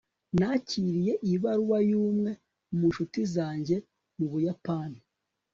nakiriye ibaruwa y'umwe mu ncuti zanjye mu buyapani